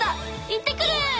行ってくる！